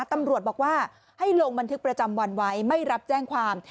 ตำรวจบอกว่าให้ลงบันทึกประจำวันไว้ไม่รับแจ้งความ